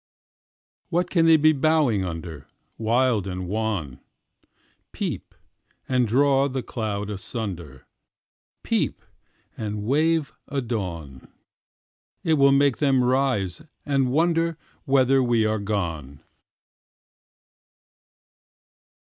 What can they be bowing under, Wild and wan? Peep, and draw the cloud asunder, Peep, and wave a dawn.It will make them rise and wonderWhether we are gone.